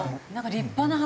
立派な箱。